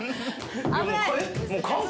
危ない。